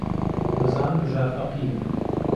دەزانم بژار فەقیرە.